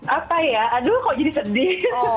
apa ya aduh kok jadi sedih